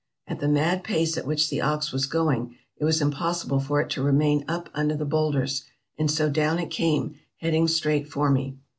At the mad pace at which the ox was going it was impossible for it to remain up under the boulders, and so down it came, heading straight for me.